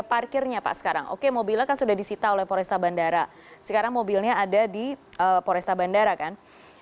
biaya parkirnya pak sekarang oke mobilnya sudah disita oleh polresta bandara sekarang mobilnya ada di polresta bandara kan